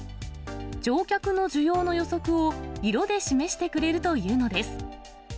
乗客の需要の予測を、色で示してくれるというのです。